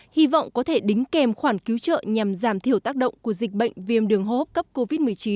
hy vọng có thể đính kèm khoản cứu trợ nhằm giảm thiểu tác động của dịch bệnh viêm đường hô hấp cấp covid một mươi chín